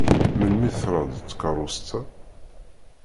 Melmi trad tkeṛṛust-a?